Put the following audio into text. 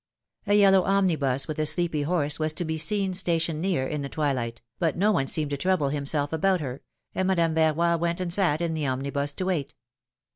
A yellow omnibus with a sleepy horse w'as to be seen stationed near in the twilight, but no one seemed to trouble himself about her, and Madame Verroy went and sat in the omnibus to wait.